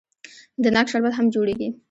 د ناک شربت هم جوړیږي.